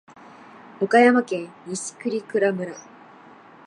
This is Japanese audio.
岡山県西粟倉村